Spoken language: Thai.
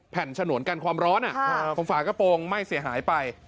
ฉนวนกันความร้อนของฝากระโปรงไหม้เสียหายไป